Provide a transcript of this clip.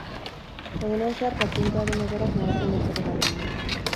Egunean zehar pazientearen egoerak nabarmen okerrera egin du.